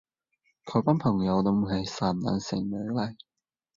佢班朋友都唔係善男信女嚟